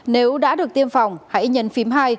nếu đã được tiêm phòng hãy nhấn phím hai